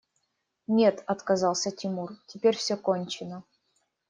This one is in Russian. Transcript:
– Нет, – отказался Тимур, – теперь все кончено.